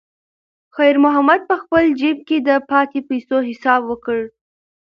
خیر محمد په خپل جېب کې د پاتې پیسو حساب وکړ.